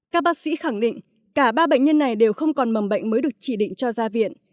các bác sĩ khẳng định cả ba bệnh nhân này đều không còn mầm bệnh mới được chỉ định cho ra viện